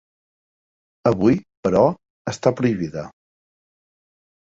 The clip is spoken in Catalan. Avui, però, està prohibida.